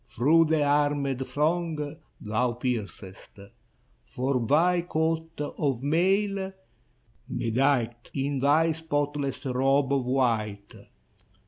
Through the armed throng thou piercest. For thy coat of mail, bedight In thy spotless robe of white.